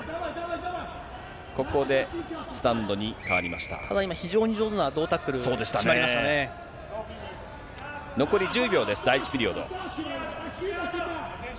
ここでスタンドに変わりましただ、今、非常に上手な胴タ残り１０秒です、第１ピリオド。